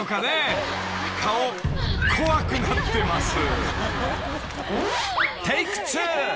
［顔怖くなってます］